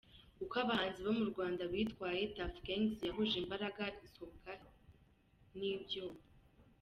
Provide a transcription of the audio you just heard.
Uko abahanzi bo mu Rwanda bitwaye; Tuff Gangs yahuje imbaraga isobwa n’ibyuma.